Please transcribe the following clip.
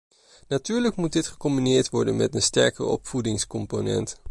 Natuurlijk moet dit gecombineerd worden met een sterkere opvoedingscomponent.